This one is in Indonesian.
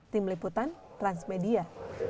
tim liputan transmedia